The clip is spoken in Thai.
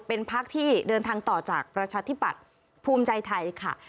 เป็นพักที่เดินทางต่อจากประชาธิบัติภูมิใจไทยค่ะ